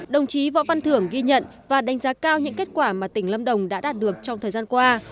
đồng chí võ văn thưởng ghi nhận và đánh giá cao những kết quả mà tỉnh lâm đồng đã đạt được trong thời gian qua